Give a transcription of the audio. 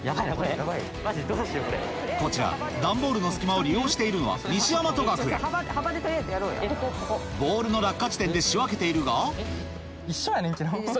こちら段ボールの隙間を利用しているのは西大和学園ボールの落下地点で仕分けているが一緒やん。